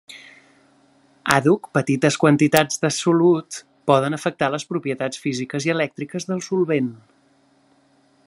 Àdhuc petites quantitats de solut poden afectar les propietats físiques i elèctriques del solvent.